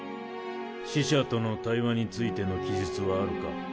死者との対話についての記述はあるか？